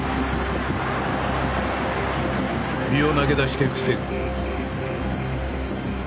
身を投げ出して防ぐ。